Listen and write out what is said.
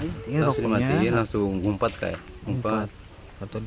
terus dimatikan langsung ngumpat kayak